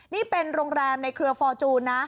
นี่เป็นโรงแรมในเครือฟอร์จูนนะ